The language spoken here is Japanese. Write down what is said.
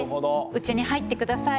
「うちに入ってください。